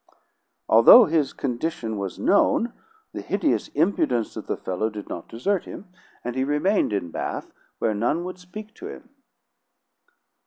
Although his condition was known, the hideous impudence of the fellow did not desert him, and he remained in Bath, where none would speak to him."